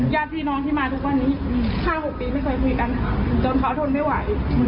ญาติพี่น้องที่มาทุกวันนี้๕๖ปีไม่เคยคุยกันค่ะจนเขาทนไม่ไหว